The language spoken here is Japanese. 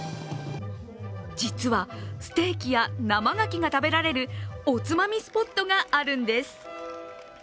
実はステーキや生がきが食べられるおつまみスポットがあるんです。